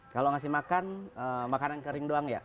kalau ngasih makan makanan kering doang ya